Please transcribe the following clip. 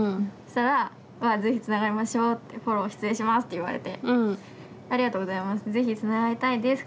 したら「是非つながりましょう」って「フォロー失礼します」って言われて「ありがとうございます。是非つながりたいです。